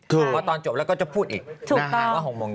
เพราะตอนจบแล้วก็จะพูดอีกถูกตอบ